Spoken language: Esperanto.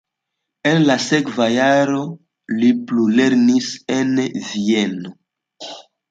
En la sekva jaro li plulernis en Vieno.